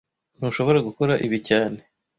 Ntushobora gukora ibi cyane